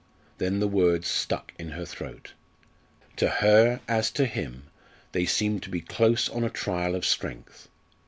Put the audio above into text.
Then the words stuck in her throat. To her, as to him, they seemed to be close on a trial of strength.